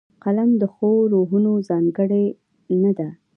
قلم د ښو روحونو ځانګړنه ده